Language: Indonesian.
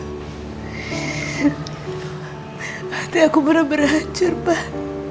hati aku bener bener hancur pak